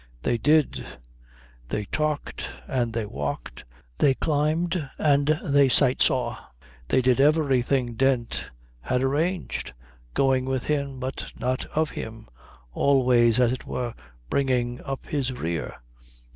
They did. They talked and they walked, they climbed and they sight saw. They did everything Dent had arranged, going with him but not of him, always, as it were, bringing up his rear.